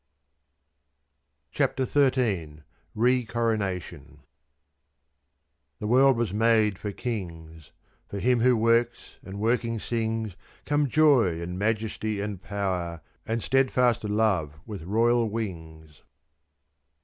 CHAPTER XIII RE CORONATION The world was made for Kings: To him who works and working sings Come joy and majesty and power And steadfast love with royal wings!